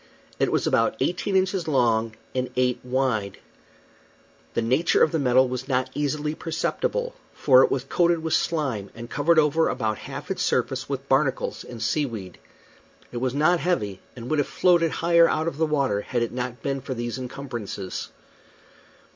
It was about eighteen inches long and eight wide. The nature of the metal was not easily perceptible, for it was coated with slime, and covered over about half its surface with barnacles and sea weed. It was not heavy, and would have floated higher out of the water had it not been for these encumbrances.